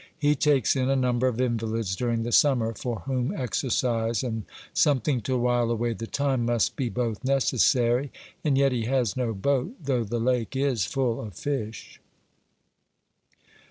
He takes in a number of invalids during the summer, for whom exercise and something to while away the time must be both necessary, and yet he has no boat, though the lake is full of fish.